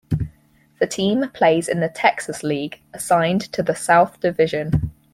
The team plays in the Texas League, assigned to the South Division.